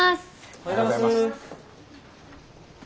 おはようございます。